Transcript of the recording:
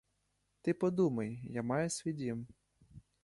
Ти подумай: я маю свій дім!